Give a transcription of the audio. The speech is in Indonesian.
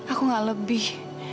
aku gak lebih